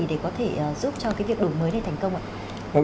để có thể giúp cho cái việc đổi mới này thành công ạ